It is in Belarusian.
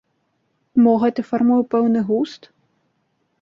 Мо гэта фармуе пэўны густ?